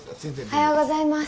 おはようございます。